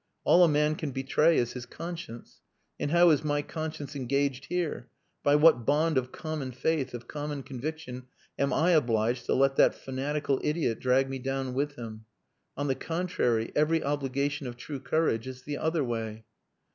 All a man can betray is his conscience. And how is my conscience engaged here; by what bond of common faith, of common conviction, am I obliged to let that fanatical idiot drag me down with him? On the contrary every obligation of true courage is the other way."